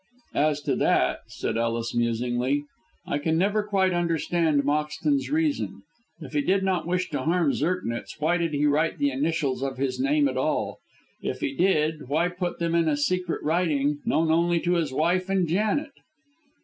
"As to that," said Ellis, musingly, "I can never quite understand Moxton's reason. If he did not wish to harm Zirknitz, why did he write the initials of his name at all? If he did, why put them in a secret writing known only to his wife and Janet?"